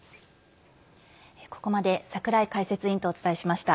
ここまで櫻井解説委員とお伝えしました。